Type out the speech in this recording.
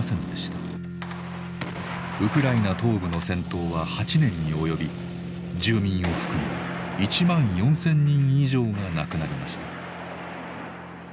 ウクライナ東部の戦闘は８年に及び住民を含む１万４，０００人以上が亡くなりました。